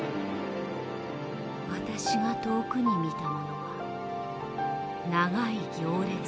私が遠くに見たものは長い行列でした。